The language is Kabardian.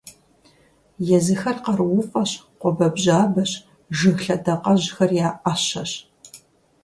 Езыхэр къарууфӀэщ, къуабэбжьабэщ, жыг лъэдакъэжьхэр я Ӏэщэщ.